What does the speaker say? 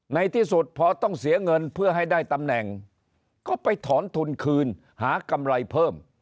ในที่สุดพอต้องเสียเงินเพื่อให้ได้ตำแหน่งก็ไปถอนทุนคืนหากำไรเพิ่ม